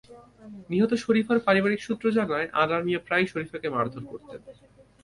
নিহত শরীফার পারিবারিক সূত্র জানায়, আনার মিয়া প্রায়ই শরীফাকে মারধর করতেন।